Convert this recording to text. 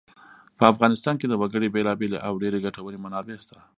په افغانستان کې د وګړي بېلابېلې او ډېرې ګټورې منابع شته.